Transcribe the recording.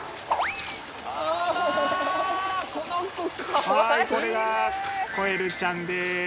はいこれがコエルちゃんです。